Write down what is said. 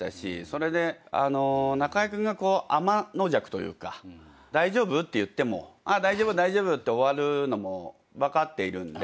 それで中居君があまのじゃくというか大丈夫？って言っても「大丈夫大丈夫」って終わるのも分かっているんで。